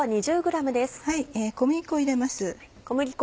小麦粉を入れます。